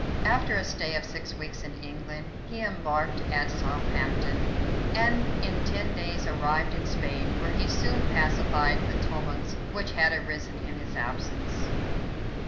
After a stay of six weeks in England, he embarked at Southampton, and in ten days arrived in Spain, where he soon pacified the tumults which had arisen in his absence.